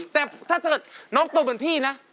แต่ถ้าเกิดน้องโตเหมือนพี่นะ